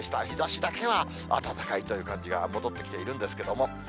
日ざしだけは暖かいという感じが戻ってきているんですけども。